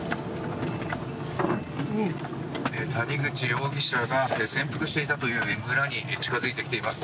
谷口容疑者が潜伏していたという村に近付いてきています。